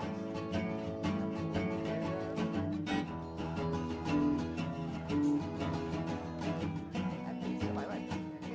ketika dia menangis dia menangis dengan kegemaran